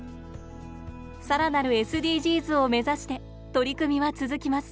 更なるＳＤＧｓを目指して取り組みは続きます。